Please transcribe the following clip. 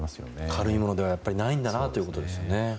軽いものではないんだなということですね。